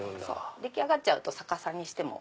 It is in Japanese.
出来上がっちゃうと逆さにしても。